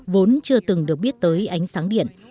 vốn chưa từng được biết tới ánh sáng điện